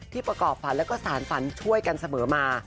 ที่ประกอบฝันและสารฝันช่วยกันเสมอมา